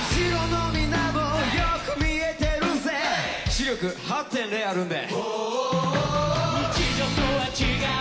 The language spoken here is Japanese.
視力８．０あるんで。